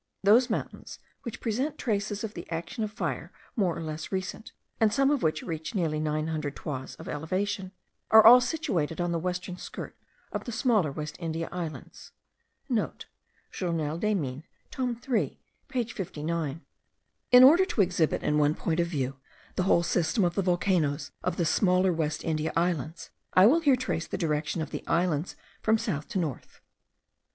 Those mountains, which present traces of the action of fire more or less recent, and some of which reach nearly nine hundred toises of elevation, are all situated on the western skirt of the smaller West India Islands.* (* Journal des Mines, tome 3 page 59. In order to exhibit in one point of view the whole system of the volcanoes of the smaller West India Islands, I will here trace the direction of the islands from south to north.